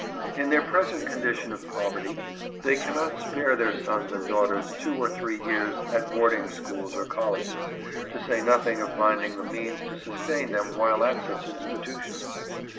In their present condition of poverty, they cannot spare their sons and daughters two or three years at 354 HIS VIEWS OF EDUCATION. boarding schools or colleges, to say nothing of finding the means to sustain them while at such institutions.